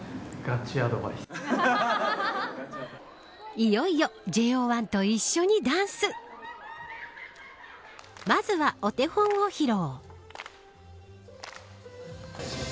いよいよＪＯ１と一緒にダンスまずはお手本を披露。